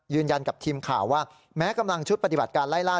ยืนยันกับทีมข่าวว่าแม้กำลังชุดปฏิบัติการไล่ล่า